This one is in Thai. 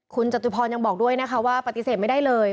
คุณจตุพรยังบอกด้วยนะคะว่าปฏิเสธไม่ได้เลย